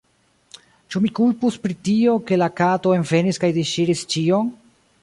Ĉu mi kulpus pri tio, ke la kato envenis kaj disŝiris ĉion?